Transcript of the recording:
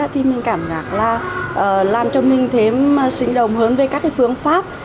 thì mình cảm ngạc là làm cho mình thêm sinh động hơn với các phương pháp